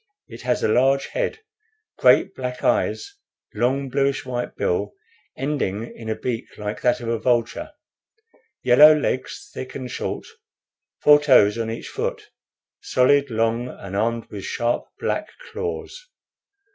It has a large head, great black eyes, long bluish white bill, ending in a beak like that of a vulture, yellow legs, thick and short, four toes on each foot solid, long, and armed with sharp black claws.